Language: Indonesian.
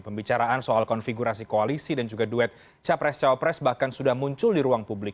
pembicaraan soal konfigurasi koalisi dan juga duet capres cawapres bahkan sudah muncul di ruang publik